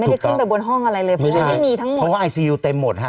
ไม่ได้ขึ้นไปบนห้องอะไรเลยเพราะว่าไม่มีทั้งหมดเพราะว่าไอซียูเต็มหมดฮะ